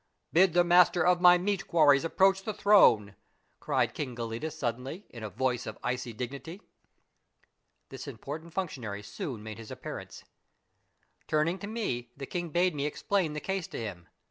" Bid the master of my meat quarries approach the throne," cried King Gelidus suddenly, in a voice of icy dignity. This important functionary soon made his appearance. A MARVELLOUS UNDERGROUND JOURNEY 187 Turning to me, the king bade me explain the case to him.